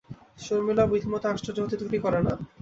শর্মিলাও বিধিমত আশ্চর্য হতে ত্রুটি করে না।